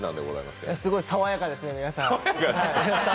すごい爽やかですね、皆さん。